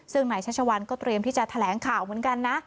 ซึ่งนายชัชวัลก็เตรียมที่จะแถลงข่าวเหมือนกันนะ